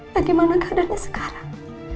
bagaimana keadaannya sekarang